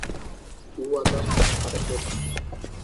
Hubo atasco en la carretera.